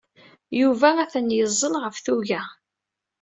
Yuba atan yeẓẓel ɣef tuga.